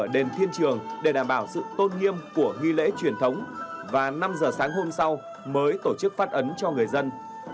để đảm bảo sự tôn nghiêm của ghi lễ truyền thống và năm giờ sáng hôm sau mới tổ chức phát ấn cho người dân